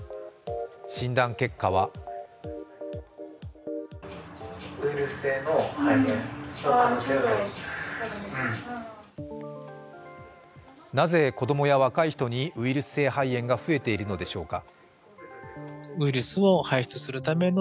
診断結果はなぜ子供や若い人にウイルス性肺炎が増えているのでしょうか。